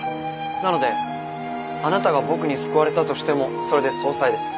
なのであなたが僕に救われたとしてもそれで相殺です。